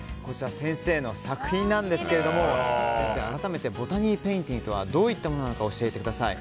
先生の作品なんですけれども先生、改めてボタニーペインティングとはどういったものなのか教えてください。